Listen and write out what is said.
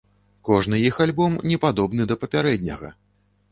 Кожны іх альбом не падобны да папярэдняга.